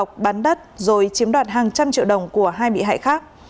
cười đã bán đất rồi chiếm đoạt hàng trăm triệu đồng của hai bị hại khác